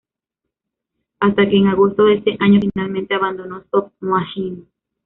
Hasta que en agosto de ese año finalmente abandonó Soft Machine.